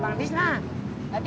dan membiarkan bayi